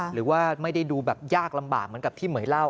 หรือว่าไม่ได้ดูแบบยากลำบากเหมือนกับที่เหม๋ยเล่า